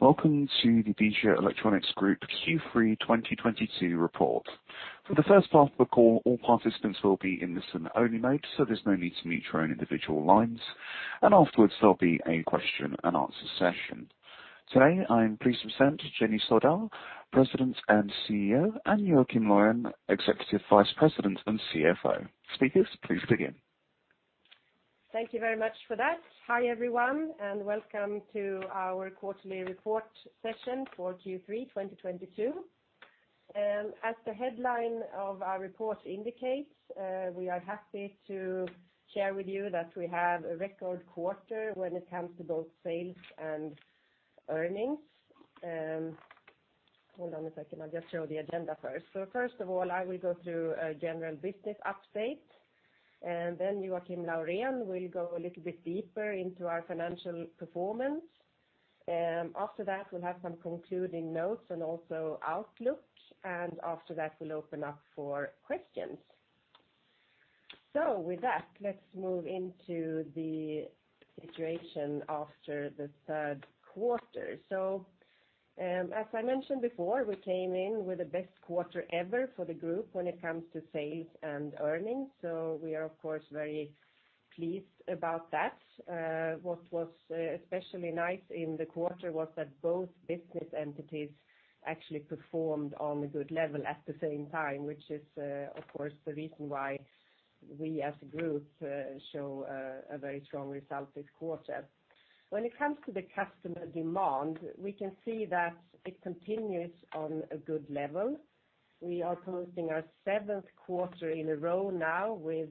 Welcome to the Ependion Q3 2022 report. For the first part of the call, all participants will be in listen only mode, so there's no need to mute your own individual lines, and afterwards there'll be a question and answer session. Today, I am pleased to present Jenny Sjödahl, President and CEO, and Joakim Laurén, Executive Vice President and CFO. Speakers, please begin. Thank you very much for that. Hi everyone, and welcome to our quarterly report session for Q3 2022. As the headline of our report indicates, we are happy to share with you that we have a record quarter when it comes to both sales and earnings. Hold on a second, I'll just show the agenda first. First of all, I will go through a general business update, and then Joakim Laurén will go a little bit deeper into our financial performance. After that we'll have some concluding notes and also outlook, and after that we'll open up for questions. With that, let's move into the situation after the third quarter. As I mentioned before, we came in with the best quarter ever for the group when it comes to sales and earnings, so we are of course very pleased about that. What was especially nice in the quarter was that both business entities actually performed on a good level at the same time, which is, of course, the reason why we as a group show a very strong result this quarter. When it comes to the customer demand, we can see that it continues on a good level. We are closing our seventh quarter in a row now with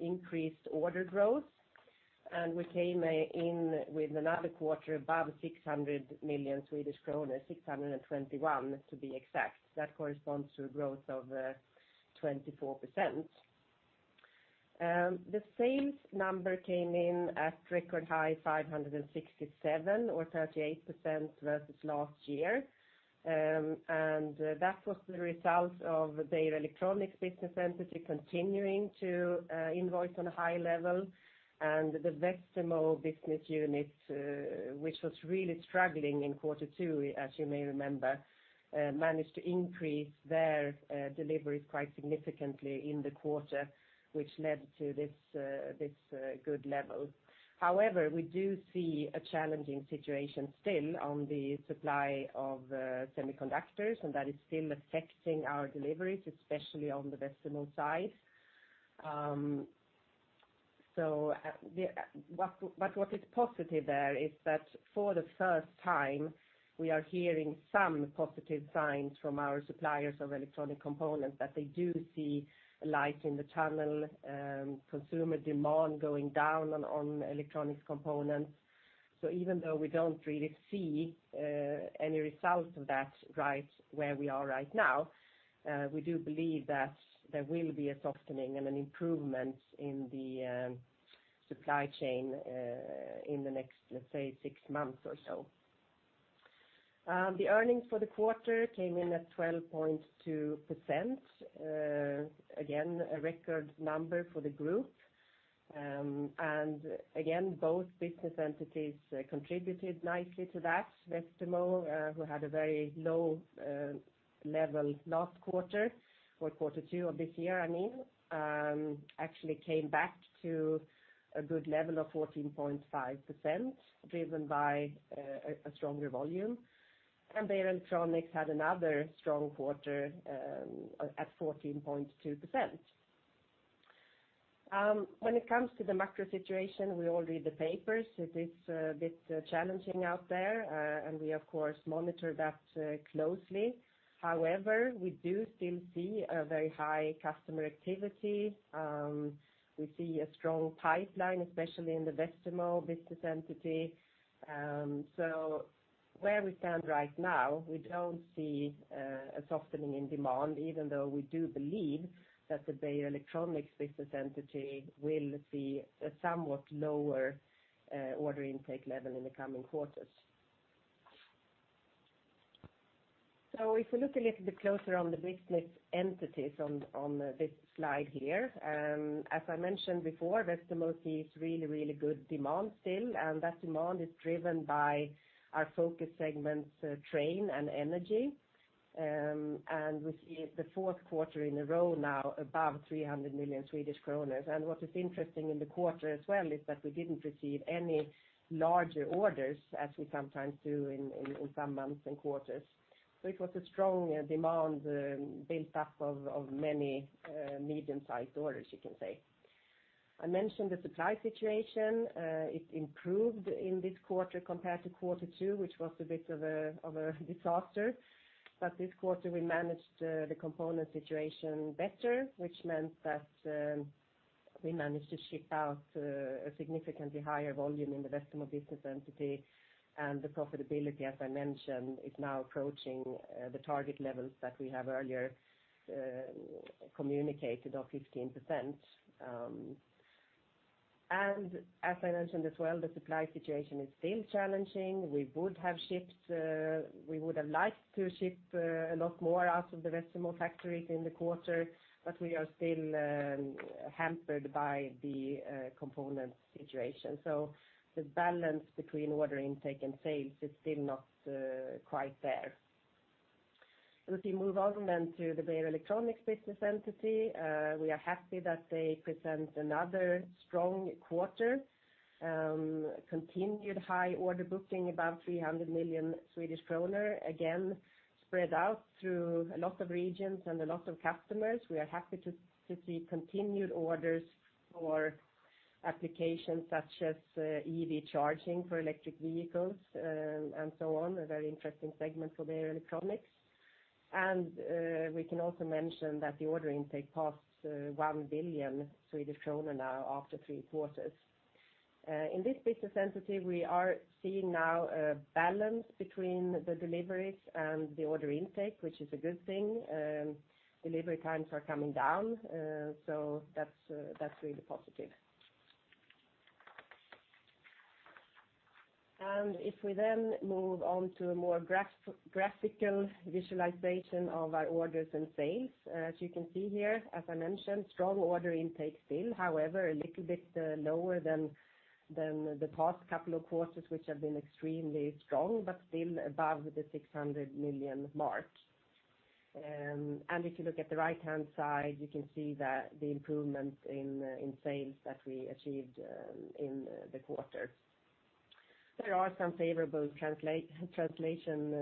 increased order growth. We came in with another quarter above 600 million Swedish kronor, 621 million to be exact. That corresponds to a growth of 24%. The sales number came in at record high 567 million or 38% versus last year. That was the result of the Beijer Electronics business entity continuing to invoice on a high level and the Westermo business unit, which was really struggling in quarter two, as you may remember, managed to increase their deliveries quite significantly in the quarter, which led to this good level. However, we do see a challenging situation still on the supply of semiconductors, and that is still affecting our deliveries, especially on the Westermo side. What is positive there is that for the first time, we are hearing some positive signs from our suppliers of electronic components that they do see a light in the tunnel, consumer demand going down on electronics components. Even though we don't really see any result of that right where we are right now, we do believe that there will be a softening and an improvement in the supply chain in the next, let's say, 6 months or so. The earnings for the quarter came in at 12.2%, again, a record number for the group. Again, both business entities contributed nicely to that. Westermo, who had a very low level last quarter or quarter two of this year, I mean, actually came back to a good level of 14.5%, driven by a stronger volume. Beijer Electronics had another strong quarter at 14.2%. When it comes to the macro situation, we all read the papers. It is a bit challenging out there, and we of course monitor that closely. However, we do still see a very high customer activity. We see a strong pipeline, especially in the Westermo business entity. Where we stand right now, we don't see a softening in demand, even though we do believe that the Beijer Electronics business entity will see a somewhat lower order intake level in the coming quarters. If you look a little bit closer on the business entities on this slide here, as I mentioned before, Westermo sees really good demand still, and that demand is driven by our focus segments, train and energy. We see the fourth quarter in a row now above 300 million Swedish kronor. What is interesting in the quarter as well is that we didn't receive any larger orders as we sometimes do in some months and quarters. It was a strong demand built up of many medium-sized orders, you can say. I mentioned the supply situation. It improved in this quarter compared to quarter two, which was a bit of a disaster. This quarter we managed the component situation better, which meant that we managed to ship out a significantly higher volume in the Westermo business entity. The profitability, as I mentioned, is now approaching the target levels that we have earlier communicated of 15%. As I mentioned as well, the supply situation is still challenging. We would have liked to ship a lot more out of the Westermo factories in the quarter, but we are still hampered by the component situation. The balance between order intake and sales is still not quite there. If we move on to the Beijer Electronics business entity, we are happy that they present another strong quarter, continued high order booking above 300 million Swedish kronor, again, spread out through a lot of regions and a lot of customers. We are happy to see continued orders for applications such as EV charging for electric vehicles, and so on, a very interesting segment for Beijer Electronics. We can also mention that the order intake passed 1 billion Swedish kronor now after three quarters. In this business entity, we are seeing now a balance between the deliveries and the order intake, which is a good thing. Delivery times are coming down, so that's really positive. If we then move on to a more graphical visualization of our orders and sales, as you can see here, as I mentioned, strong order intake still, however, a little bit lower than the past couple of quarters, which have been extremely strong, but still above the 600 million mark. If you look at the right-hand side, you can see the improvement in sales that we achieved in the quarter. There are some favorable translation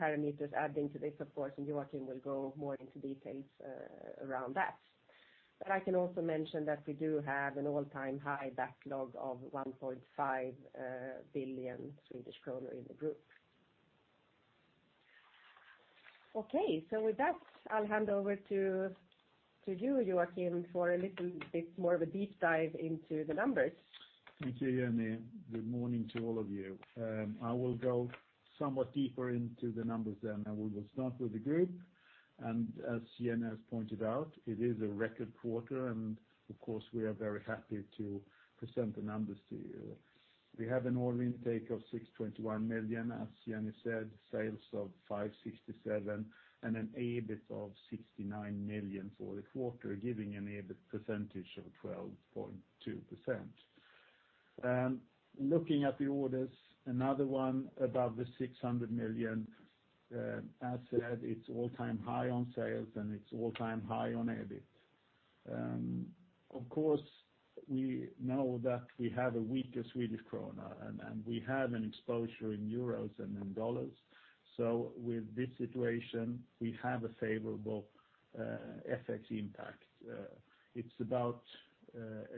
parameters adding to this, of course, and Joakim will go more into details around that. I can also mention that we do have an all-time high backlog of 1.5 billion Swedish kronor in the group. Okay. With that, I'll hand over to you, Joakim, for a little bit more of a deep dive into the numbers. Thank you, Jenny. Good morning to all of you. I will go somewhat deeper into the numbers then, and we will start with the group. As Jenny has pointed out, it is a record quarter, and of course, we are very happy to present the numbers to you. We have an order intake of 621 million, as Jenny said, sales of 567 million, and an EBIT of 69 million for the quarter, giving an EBIT percentage of 12.2%. Looking at the orders, another one above 600 million. As said, it's all-time high on sales, and it's all-time high on EBIT. Of course, we know that we have a weaker Swedish krona, and we have an exposure in euros and in dollars. With this situation, we have a favorable FX impact. It's about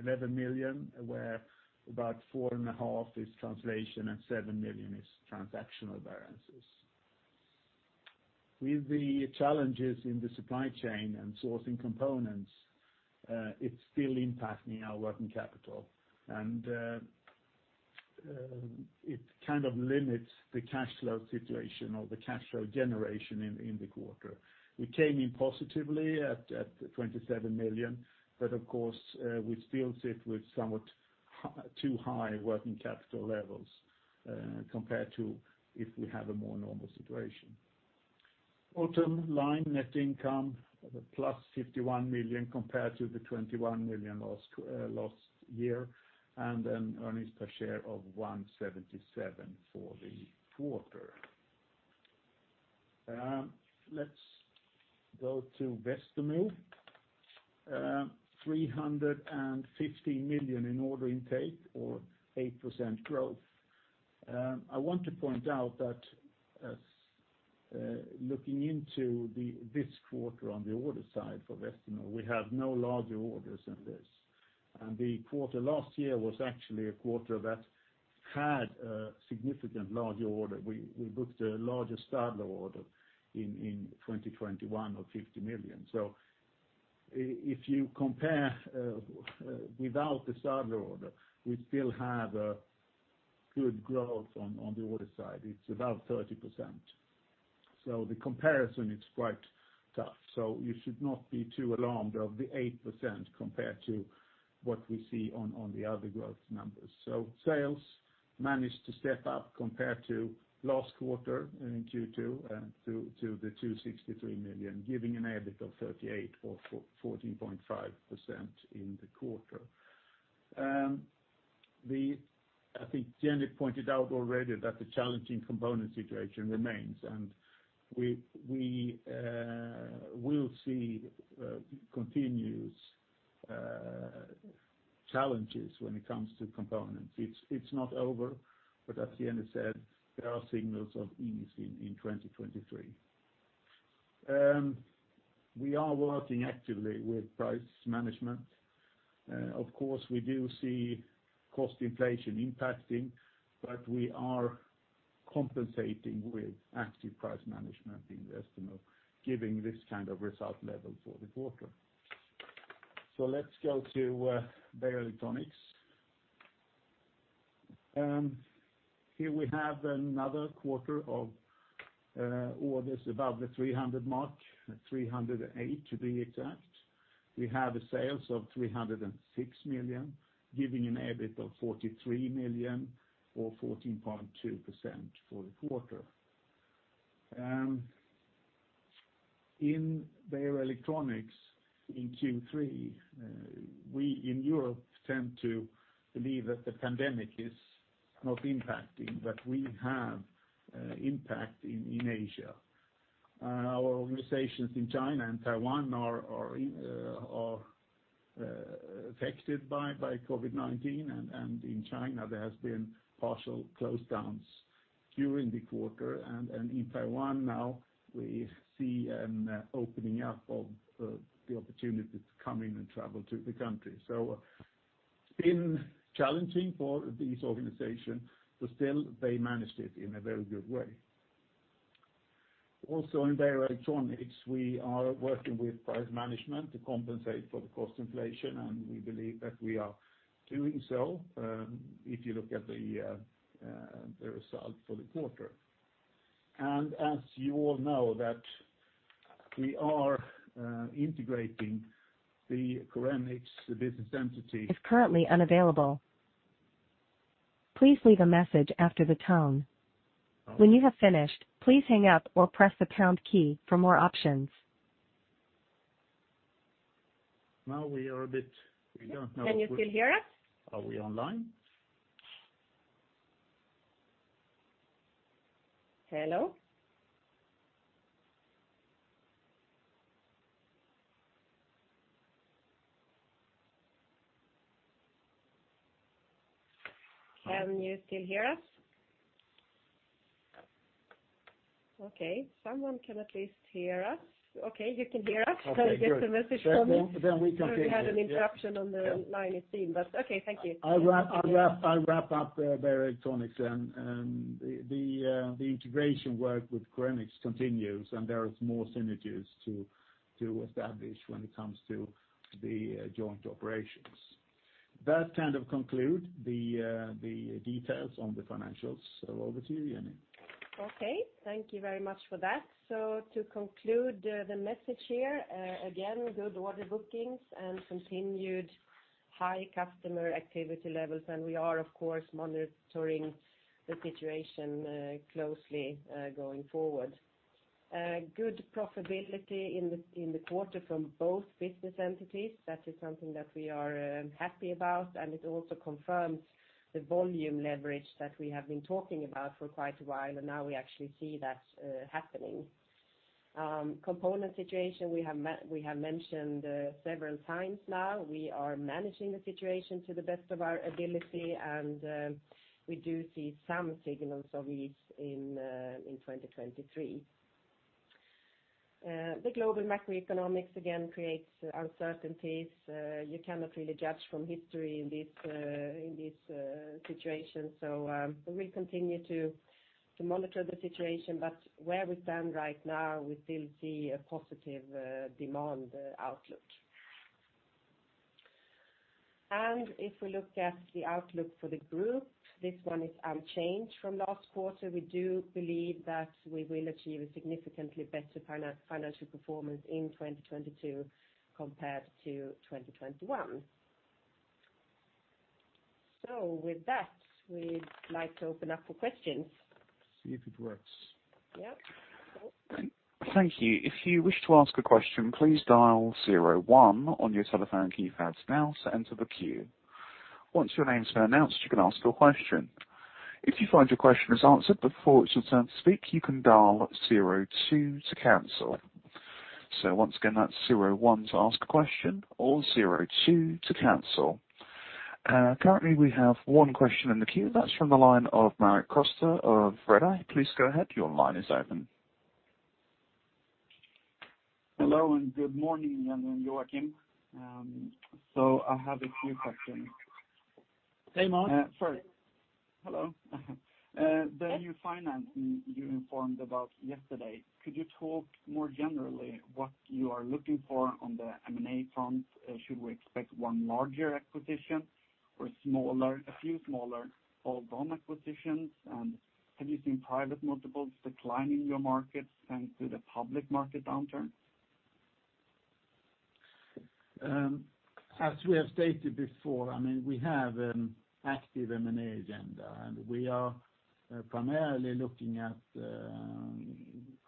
11 million, where about 4.5 is translation and 7 million is transactional variances. With the challenges in the supply chain and sourcing components, it's still impacting our working capital, and it kind of limits the cash flow situation or the cash flow generation in the quarter. We came in positively at 27 million, but of course, we still sit with somewhat too high working capital levels compared to if we have a more normal situation. Bottom line, net income of a plus 51 million compared to the 21 million last year, and an earnings per share of 1.77 for the quarter. Let's go to Westermo. 350 million in order intake or 8% growth. I want to point out that looking into this quarter on the order side for Westermo, we have no larger orders than this. The quarter last year was actually a quarter that had a significant larger order. We booked a larger Stadler order in 2021 of 50 million. If you compare without the Stadler order, we still have a good growth on the order side. It's about 30%. The comparison is quite tough, so you should not be too alarmed of the 8% compared to what we see on the other growth numbers. Sales managed to step up compared to last quarter in Q2 to 263 million, giving an EBIT of 38 or 14.5% in the quarter. I think Jenny pointed out already that the challenging component situation remains, and we will see continuous challenges when it comes to components. It's not over, but as Jenny said, there are signals of easing in 2023. We are working actively with price management. Of course, we do see cost inflation impacting, but we are compensating with active price management in Westermo, giving this kind of result level for the quarter. Let's go to Beijer Electronics. Here we have another quarter of orders above the 300 million mark, 308 million to be exact. We have sales of 306 million, giving an EBIT of 43 million or 14.2% for the quarter. In Beijer Electronics in Q3, we in Europe tend to believe that the pandemic is not impacting, but we have impact in Asia. Our organizations in China and Taiwan are affected by COVID-19, and in China there has been partial lockdowns during the quarter. In Taiwan now we see an opening up of the opportunity to come in and travel to the country. It's been challenging for these organizations, but still they managed it in a very good way. Also in Beijer Electronics, we are working with price management to compensate for the cost inflation, and we believe that we are doing so, if you look at the results for the quarter. As you all know that we are integrating the Korenix business entity. Is currently unavailable. Please leave a message after the tone. When you have finished, please hang up or press the pound key for more options. We don't know. Can you still hear us? Are we online? Hello? Can you still hear us? Okay. Someone can at least hear us. Okay. You can hear us. Okay, good. We get the message from you. We can hear you. Yeah. We had an interruption on the line it seems. Okay, thank you. I'll wrap up Beijer Electronics, and the integration work with Korenix continues, and there is more synergies to establish when it comes to the joint operations. That kind of conclude the details on the financials. Over to you, Jenny. Okay. Thank you very much for that. To conclude, the message here, again, good order bookings and continued high customer activity levels. We are of course monitoring the situation closely, going forward. Good profitability in the quarter from both business entities. That is something that we are happy about, and it also confirms the volume leverage that we have been talking about for quite a while, and now we actually see that happening. Component situation, we have mentioned several times now. We are managing the situation to the best of our ability, and we do see some signals of ease in 2023. The global macroeconomics again creates uncertainties. You cannot really judge from history in this situation. We'll continue to monitor the situation, but where we stand right now, we still see a positive demand outlook. If we look at the outlook for the group, this one is unchanged from last quarter. We do believe that we will achieve a significantly better financial performance in 2022 compared to 2021. With that, we'd like to open up for questions. See if it works. Yeah. Thank you. If you wish to ask a question, please dial zero one on your telephone keypad now to enter the queue. Once your name's been announced, you can ask your question. If you find your question is answered before it's your turn to speak, you can dial zero two to cancel. Once again, that's zero one to ask a question or zero two to cancel. Currently we have one question in the queue. That's from the line of Mark Sjöstedt of Redeye. Please go ahead, your line is open. Hello and good morning, Jenny and Joakim. I have a few questions. Hey, Mark. Sorry. Hello. The new financing you informed about yesterday, could you talk more generally what you are looking for on the M&A front? Should we expect one larger acquisition or a few smaller add-on acquisitions? Have you seen private multiples decline in your markets thanks to the public market downturn? As we have stated before, I mean, we have an active M&A agenda, and we are primarily looking at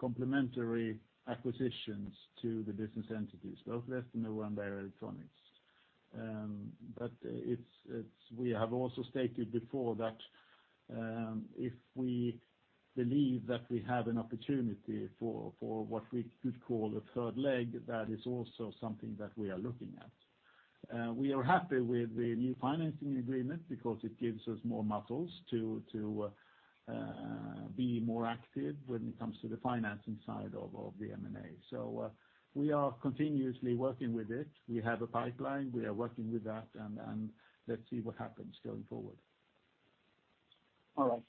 complementary acquisitions to the business entities, both Westermo and Beijer Electronics. We have also stated before that, if we believe that we have an opportunity for what we could call a third leg, that is also something that we are looking at. We are happy with the new financing agreement because it gives us more muscles to be more active when it comes to the financing side of the M&A. We are continuously working with it. We have a pipeline, we are working with that and let's see what happens going forward. All right.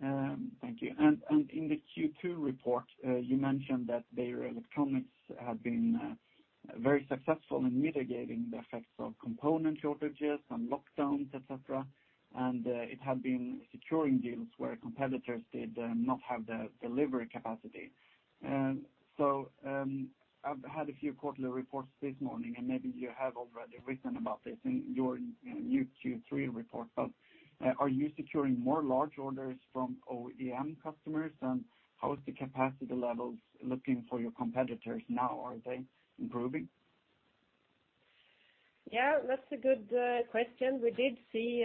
Thank you. In the Q2 report, you mentioned that Beijer Electronics had been very successful in mitigating the effects of component shortages and lockdowns, et cetera. It had been securing deals where competitors did not have the delivery capacity. I've had a few quarterly reports this morning, and maybe you have already written about this in your, you know, new Q3 report. Are you securing more large orders from OEM customers, and how is the capacity levels looking for your competitors now? Are they improving? Yeah, that's a good question. We did see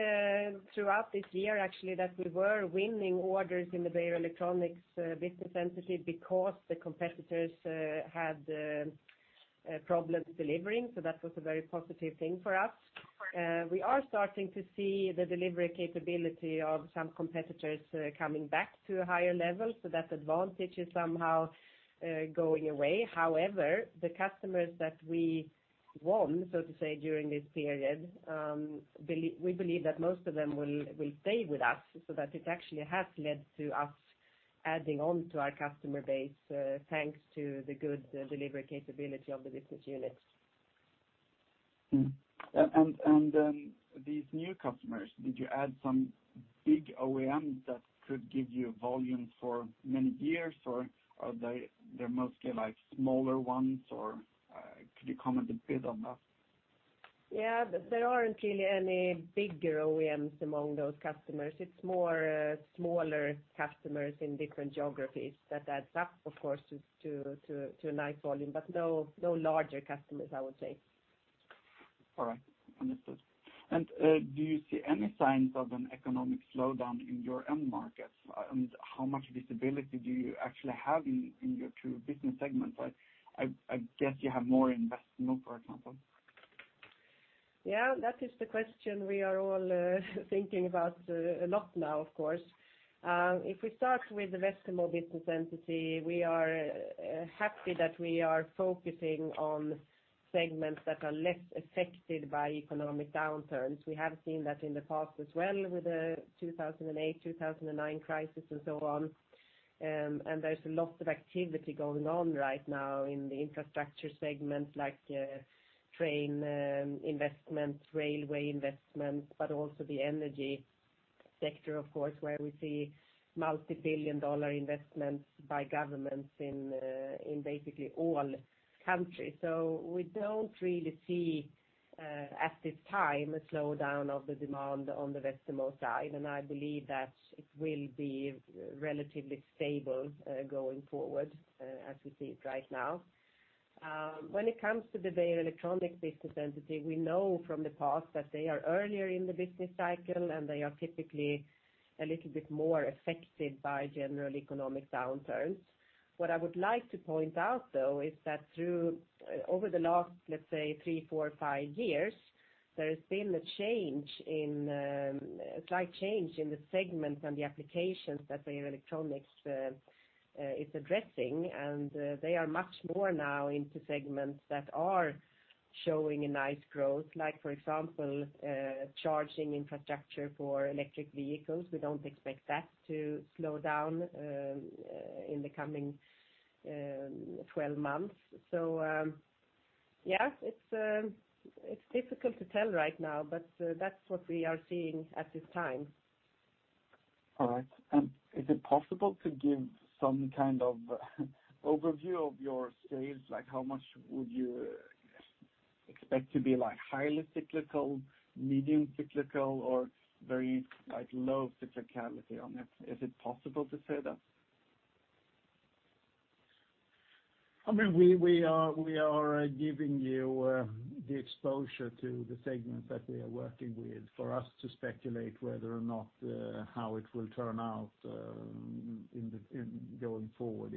throughout this year actually that we were winning orders in the Beijer Electronics business entity because the competitors had problems delivering, so that was a very positive thing for us. We are starting to see the delivery capability of some competitors coming back to a higher level, so that advantage is somehow going away. However, the customers that we won, so to say, during this period, we believe that most of them will stay with us, so that it actually has led to us adding on to our customer base, thanks to the good delivery capability of the business unit. These new customers, did you add some big OEMs that could give you volume for many years, or are they're mostly like smaller ones, or could you comment a bit on that? Yeah. There aren't really any bigger OEMs among those customers. It's more smaller customers in different geographies that adds up, of course, to a nice volume, but no larger customers, I would say. All right. Understood. Do you see any signs of an economic slowdown in your end markets? How much visibility do you actually have in your two business segments? I guess you have more in Westermo, for example. Yeah. That is the question we are all thinking about a lot now, of course. If we start with the Westermo business entity, we are happy that we are focusing on segments that are less affected by economic downturns. We have seen that in the past as well with the 2008, 2009 crisis, and so on. There's a lot of activity going on right now in the infrastructure segment like train investment, railway investment, but also the energy sector, of course, where we see multi-billion-dollar investments by governments in basically all countries. We don't really see at this time a slowdown of the demand on the Westermo side, and I believe that it will be relatively stable going forward as we see it right now. When it comes to the Beijer Electronics business entity, we know from the past that they are earlier in the business cycle, and they are typically a little bit more affected by general economic downturns. What I would like to point out, though, is that over the last, let's say, three, four, five years, there has been a slight change in the segments and the applications that Beijer Electronics is addressing. They are much more now into segments that are showing a nice growth like, for example, charging infrastructure for electric vehicles. We don't expect that to slow down in the coming 12 months. Yes, it's difficult to tell right now, but that's what we are seeing at this time. All right. Is it possible to give some kind of overview of your sales? Like, how much would you expect to be like highly cyclical, medium cyclical or very, like, low cyclicality on it? Is it possible to say that? I mean, we are giving you the exposure to the segment that we are working with. For us to speculate whether or not how it will turn out in going forward,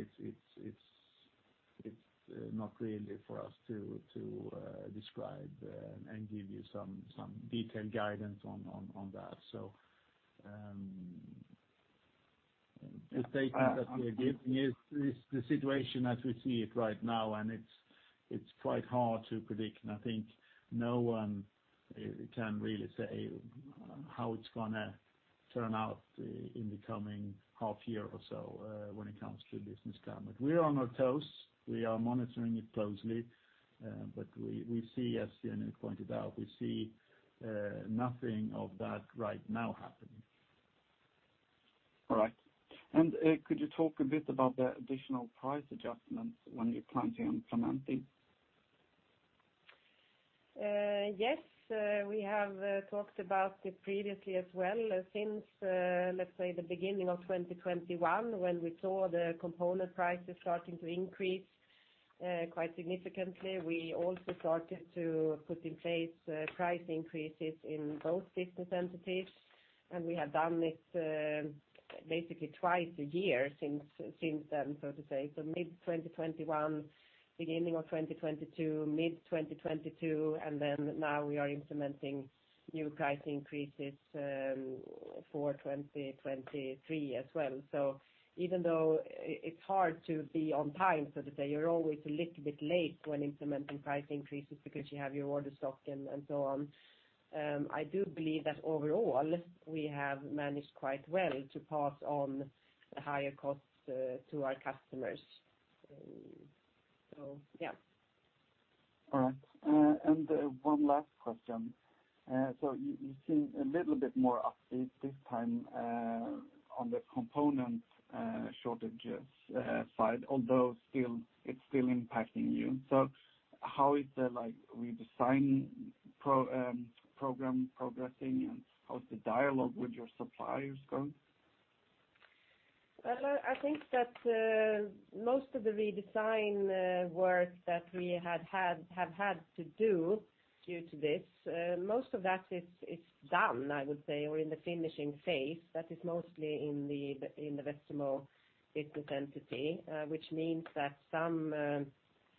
it's not really for us to describe and give you some detailed guidance on that. The statement that we are giving is the situation as we see it right now, and it's quite hard to predict. I think no one can really say how it's gonna turn out in the coming half year or so when it comes to business climate. We are on our toes. We are monitoring it closely. We see, as Jenny pointed out, nothing of that right now happening. All right. Could you talk a bit about the additional price adjustments when you're planning on implementing? Yes. We have talked about it previously as well. Since let's say the beginning of 2021, when we saw the component prices starting to increase quite significantly, we also started to put in place price increases in both business entities. We have done it basically twice a year since then, so to say. Mid 2021, beginning of 2022, mid 2022, and then now we are implementing new price increases for 2023 as well. Even though it's hard to be on time, so to say, you're always a little bit late when implementing price increases because you have your order stock and so on. I do believe that overall we have managed quite well to pass on the higher costs to our customers. Yeah. All right. One last question. You seem a little bit more upbeat this time on the component shortages side, although still, it's still impacting you. How is the, like, redesign program progressing, and how's the dialogue with your suppliers going? Well, I think that most of the redesign work that we have had to do due to this, most of that is done, I would say, or in the finishing phase. That is mostly in the Westermo business entity, which means that some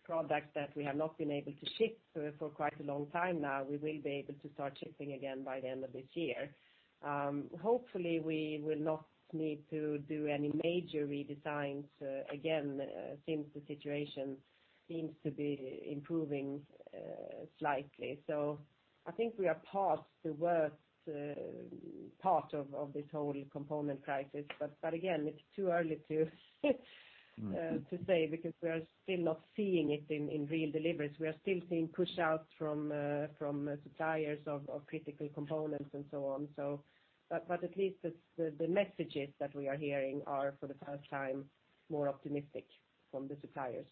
products that we have not been able to ship for quite a long time now, we will be able to start shipping again by the end of this year. Hopefully, we will not need to do any major redesigns again, since the situation seems to be improving slightly. I think we are past the worst part of this whole component crisis. Again, it's too early to say because we are still not seeing it in real deliveries. We are still seeing pushouts from suppliers of critical components and so on. At least the messages that we are hearing are for the first time more optimistic from the suppliers.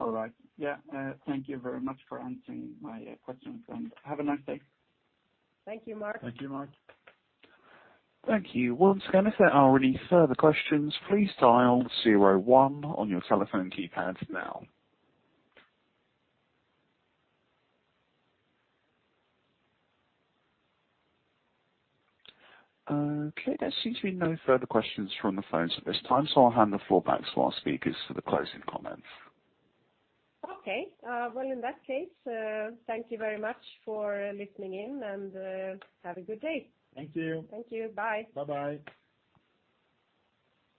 All right. Yeah. Thank you very much for answering my questions, and have a nice day. Thank you, Mark. Thank you, Mark. Thank you. Once again, if there are any further questions, please dial zero one on your telephone keypad now. Okay, there seems to be no further questions from the phones at this time, so I'll hand the floor back to our speakers for the closing comments. Okay. Well, in that case, thank you very much for listening in, and have a good day. Thank you. Thank you. Bye. Bye-bye.